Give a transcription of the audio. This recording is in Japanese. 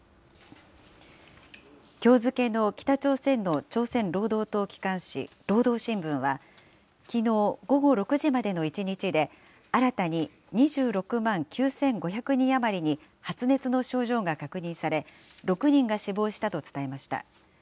きょう付けの北朝鮮の朝鮮労働党機関紙、労働新聞は、きのう午後６時までの１日で、新たに２６万９５００人余りに発熱の症状が確認され、６人が死亡したと伝えました。